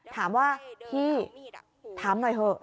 ถามว่าพี่ถามหน่อยเถอะ